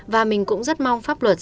và mình cũng rất mong pháp luật